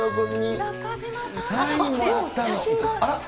写真が。